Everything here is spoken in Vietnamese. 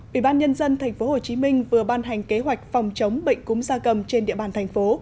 ủy ban nhân dân tp hcm vừa ban hành kế hoạch phòng chống bệnh cúm da cầm trên địa bàn thành phố